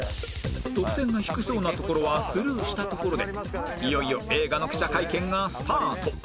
得点が低そうなところはスルーしたところでいよいよ映画の記者会見がスタート